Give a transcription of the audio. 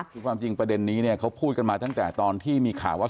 คือความจริงประเด็นนี้เนี่ยเขาพูดกันมาตั้งแต่ตอนที่มีข่าวว่า